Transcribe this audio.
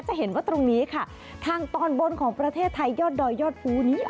จะเห็นว่าตรงนี้ค่ะทางตอนบนของประเทศไทยยอดดอยยอดภูนี้